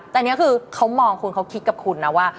แต่อันนี้คือเขามองคุณเขาคิดกับคุณนะว่า